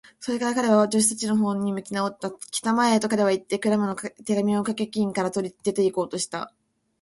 それから彼は、助手たちのほうに向きなおった。「きたまえ！」と、彼はいって、クラムの手紙をかけ金から取り、出ていこうとした。